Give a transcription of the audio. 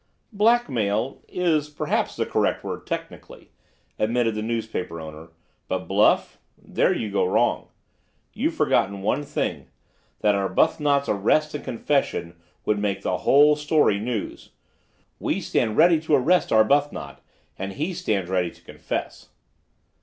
"Blackmail is perhaps the correct word technically," admitted the newspaper owner, "but bluff—there you go wrong. You've forgotten one thing; that Arbuthnot's arrest and confession would make the whole story news. We stand ready to arrest Arbuthnot, and he stands ready to confess."